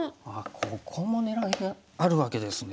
ここも狙いがあるわけですね。